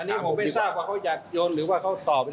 อันนี้ผมไม่ทราบว่าเขาอยากโยนหรือว่าเขาตอบ